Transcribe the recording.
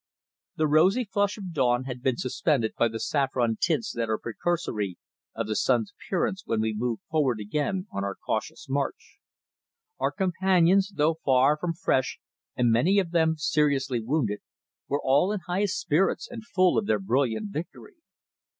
The rosy flush of dawn had been superseded by the saffron tints that are precursory of the sun's appearance when we moved forward again on our cautious march. Our companions, though far from fresh and many of them seriously wounded, were all in highest spirits and full of their brilliant victory.